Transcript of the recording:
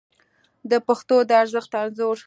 د پښتو د ارزښت انځور